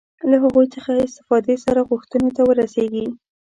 له هغوی څخه استفادې سره غوښتنو ته ورسېږي.